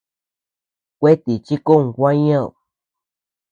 Kuetíchi kon gua ñeʼë.